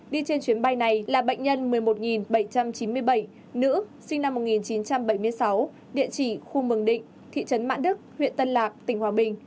đi trên chuyến bay này là bệnh nhân một mươi một bảy trăm chín mươi bảy nữ sinh năm một nghìn chín trăm bảy mươi sáu địa chỉ khu mường định thị trấn mãn đức huyện tân lạc tỉnh hòa bình